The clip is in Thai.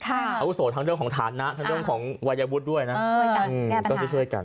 อาวุศวทั้งเรื่องของฐานะทั้งเรื่องของวัยวุฒิด้วยนะ